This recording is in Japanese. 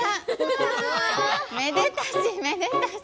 めでたしめでたし」。